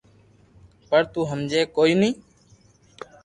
پر تو ھمجي ڪوئي ني